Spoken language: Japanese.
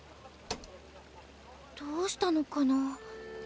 どうしたのかな？